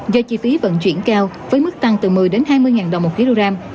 do chi phí vận chuyển cao với mức tăng từ một mươi hai mươi ngàn đồng một khí đô ram